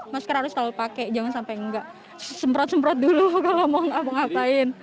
masker harus selalu pakai jangan sampai nggak semprot semprot dulu kalau mau ngapain